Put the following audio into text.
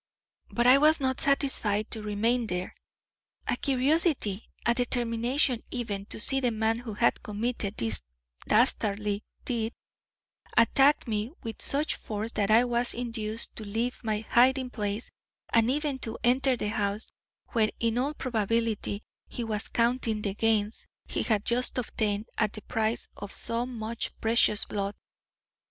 "But I was not satisfied to remain there. A curiosity, a determination even, to see the man who had committed this dastardly deed, attacked me with such force that I was induced to leave my hiding place and even to enter the house where in all probability he was counting the gains he had just obtained at the price of so much precious blood.